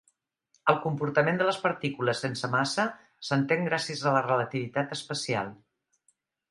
El comportament de les partícules sense massa s'entén gràcies a la relativitat especial.